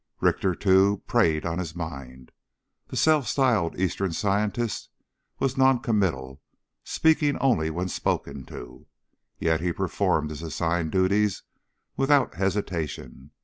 Richter, too, preyed on his mind. The self styled Eastern scientist was noncommittal, speaking only when spoken to. Yet he performed his assigned duties without hesitation.